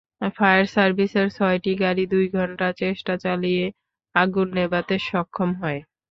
Fire সার্ভিসের ছয়টি গাড়ি দুই ঘণ্টা চেষ্টা চালিয়ে আগুন নেভাতে সক্ষম হয়।